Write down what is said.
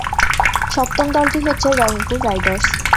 সপ্তম দলটি হচ্ছে রংপুর রাইডার্স।